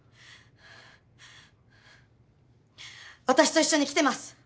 私と一緒に来てます。